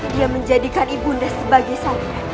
dia menjadikan ibundang sebagai sanggup